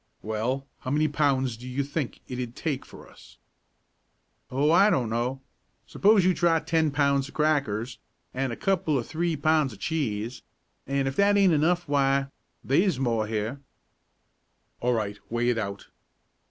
"Well, how many pounds do you think it'd take for us?" "Oh, I don' know. S'pose you try ten pounds o' crackers an' a couple or three pounds o' cheese; an' if that aint enough, why, they's more here." "All right, weigh it out."